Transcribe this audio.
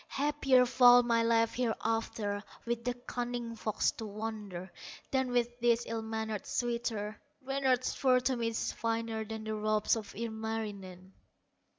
Happier far my life hereafter, With the cunning fox to wander, Than with this ill mannered suitor; Reynard's fur to me is finer Than the robes of Ilmarinen."